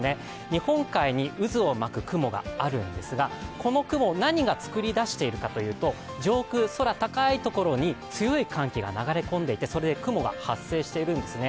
日本海に渦を巻く雲があるんですがこの雲、何が作り出しているかというと上空、空高いところに強い寒気が流れ込んでいてそれで雲が発生しているんですね。